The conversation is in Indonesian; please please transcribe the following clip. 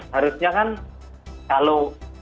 harusnya kan kalau